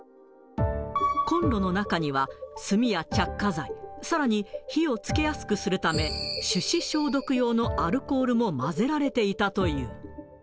コンロの中には、炭や着火剤、さらに火をつけやすくするため、手指消毒用のアルコールも混ぜられていたという。